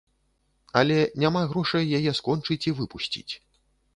Але няма грошай яе скончыць і выпусціць.